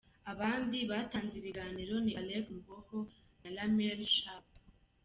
Abandi batanze ibiganiro ni Alec Muhoho na Lamelle Shaw.